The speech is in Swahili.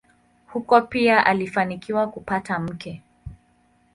Huko pia alifanikiwa kupata mke.